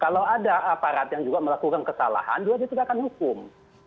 kalau ada aparat yang juga melakukan kesalahan dia juga tidak akan hukum